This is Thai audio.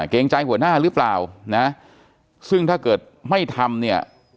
เกรงใจหัวหน้าหรือเปล่านะซึ่งถ้าเกิดไม่ทำเนี่ย